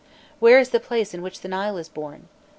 Where is the place in which the Nile is born?